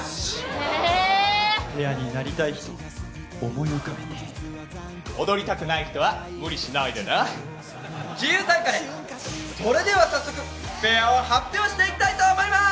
ええペアになりたい人を思い浮かべて踊りたくない人は無理しないでね自由参加でそれでは早速ペアを発表していきたいと思います